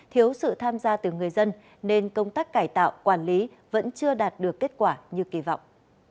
thiếu sự tham gia từ người dân nên công tác cải tạo quản lý vẫn chưa đạt được kết quả như kỳ vọng